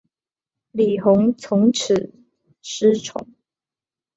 李弘从此失宠。